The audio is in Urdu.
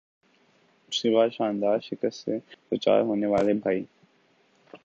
اس کے بعد "شاندار"شکست سے دوچار ہونے والے بھائی